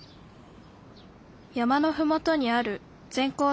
山のふもとにある全校